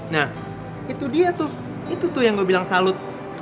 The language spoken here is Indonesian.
nah itu dia tuh itu tuh yang gue bilang salut